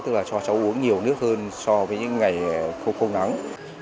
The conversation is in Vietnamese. tức là cho cháu uống nhiều nước hơn so với những ngày khô không nắng